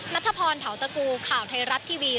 นัทพรเทาตะกูข่าวไทยรัฐทีวี